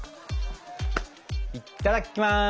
いただきます！